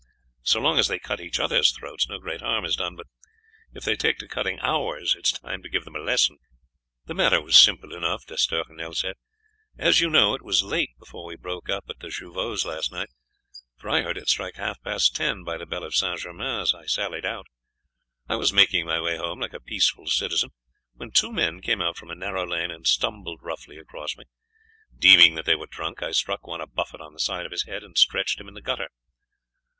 So long as they cut each other's throats no great harm is done, but if they take to cutting ours it is time to give them a lesson." "The matter was simple enough," D'Estournel said. "As you know, it was late before we broke up at De Jouvaux's last night, for I heard it strike half past ten by the bell of St. Germain as I sallied out. I was making my way home like a peaceful citizen, when two men came out from a narrow lane and stumbled roughly across me. Deeming that they were drunk, I struck one a buffet on the side of his head and stretched him in the gutter."